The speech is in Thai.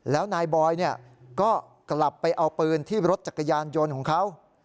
แล้วนายบอยก็กลับไปเอาปืนที่รถจักรยานยนต์ของเขา